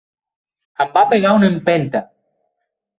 Em va pegar una empenta.